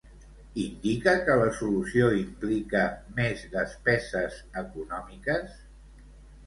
Indica que la solució implica més despeses econòmiques?